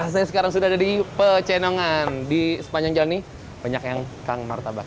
saya sekarang sudah ada di pecenongan di sepanjang jalan nih banyak yang kang martabak